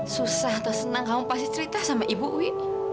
susah atau senang kamu pasti cerita sama ibu wi